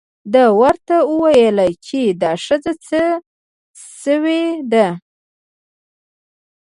ده ورته وویل چې دا ښځه څه شوې ده.